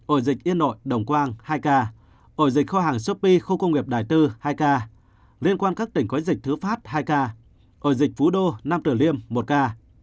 ổ dịch yên nội đồng quang hai ca ổ dịch kho hàng sopi khu công nghiệp đài tư hai ca liên quan các tỉnh quấy dịch thứ phát hai ca ổ dịch phú đô năm tử liêm một ca